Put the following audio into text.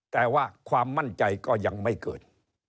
แต่ว่าความมั่นใจก็ยังไม่เกิด